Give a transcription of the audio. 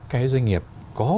cái doanh nghiệp có